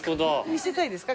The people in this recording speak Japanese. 見せたいですか？